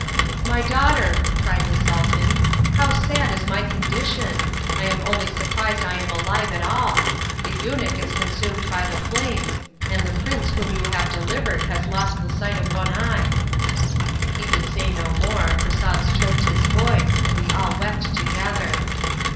"My daughter," cried the Sultan, "how sad is my condition! I am only surprised I am alive at all! The eunuch is consumed by the flames, and the prince whom you have delivered has lost the sight of one eye." He could say no more, for sobs choked his voice, and we all wept together.